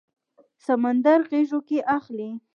سمندر غیږو کې اخلي